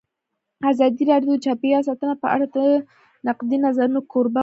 ازادي راډیو د چاپیریال ساتنه په اړه د نقدي نظرونو کوربه وه.